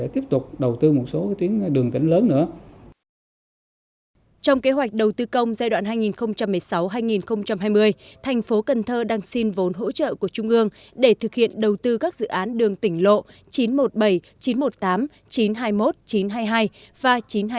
trong kế hoạch đầu tư công giai đoạn hai nghìn một mươi sáu hai nghìn hai mươi thành phố cần thơ đang xin vốn hỗ trợ của trung ương để thực hiện đầu tư các dự án đường tỉnh lộ chín trăm một mươi bảy chín trăm một mươi tám chín trăm hai mươi một chín trăm hai mươi hai và chín trăm hai mươi